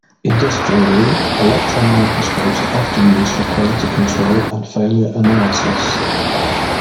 Industrially, electron microscopes are often used for quality control and failure analysis.